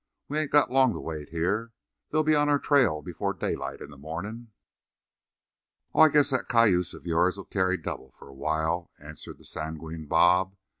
We ain't got long to wait here. They'll be on our trail before daylight in the mornin'." "Oh, I guess that cayuse of yourn'll carry double for a while," answered the sanguine Bob.